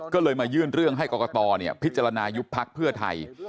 ก็เลยมายื่นเรื่องให้กรกตพิจารณายุบพักเพื่อไทย